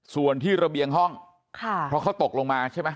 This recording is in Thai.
ส่วนที่ระเบียงห้องค่ะเพราะเขาตกลงมาใช่ไหม